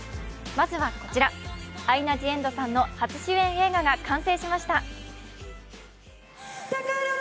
まずはこちら、アイナ・ジ・エンドさんの初主演映画が完成しました。